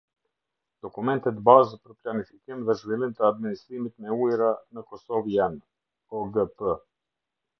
Dokumentet bazë për planifikim dhe zhvillim të administrimit me ujëra në Kosovë janë: ogp.